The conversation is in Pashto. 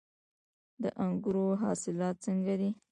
د انګورو حاصلات څنګه دي؟